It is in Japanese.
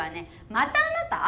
またあなた？